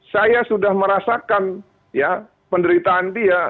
saya sudah merasakan ya penderitaan dia